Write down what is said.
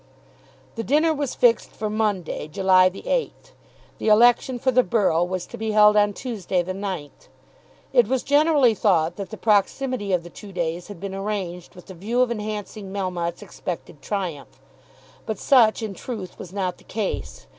The dinner was fixed for Monday, July the 8th. The election for the borough was to be held on Tuesday the 9th. It was generally thought that the proximity of the two days had been arranged with the view of enhancing Melmotte's expected triumph. But such in truth was not the case.